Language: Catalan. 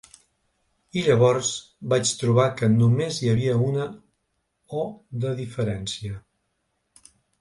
I llavors vaig trobar que només hi havia una o de diferència.